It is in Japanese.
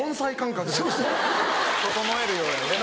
整えるようにね。